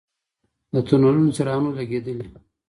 د تونلونو څراغونه لګیدلي؟